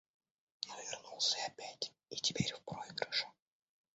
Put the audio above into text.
Но вернулся опять и теперь в проигрыше.